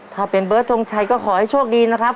ถ้าเป็นเบิร์ดทงชัยก็ขอให้โชคดีนะครับ